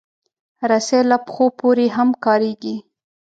رسۍ له پښو پورې هم کارېږي.